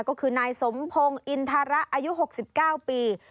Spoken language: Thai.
ก็คือนายสมพงศ์อินทาระอายุ๖๙ปี